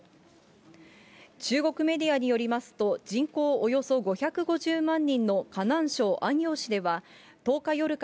中国メディアによりますと、人口およそ５５０万人の河南省安陽